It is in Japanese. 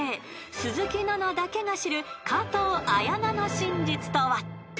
［鈴木奈々だけが知る加藤綾菜の真実とは？］